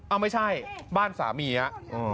อ้าวไม่ใช่บ้านสามีฮะ